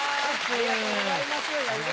ありがとうございます。